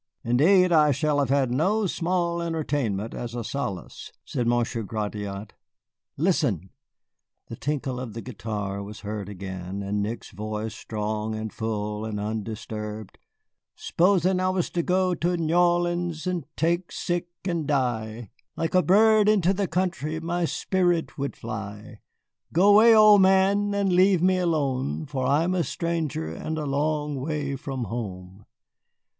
"Indeed, I shall have had no small entertainment as a solace," said Monsieur Gratiot. "Listen!" The tinkle of the guitar was heard again, and Nick's voice, strong and full and undisturbed: "S'posin' I was to go to N' O'leans an' take sick an' die, Like a bird into the country my spirit would fly. Go 'way, old man, and leave me alone, For I am a stranger and a long way from home."